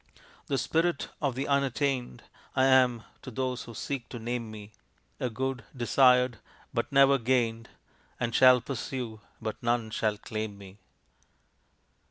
The spirit of the unattained, I am to those who seek to name me, A good desired but never gained. All shall pursue, but none shall claim me."